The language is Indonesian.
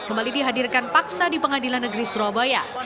kembali dihadirkan paksa di pengadilan negeri surabaya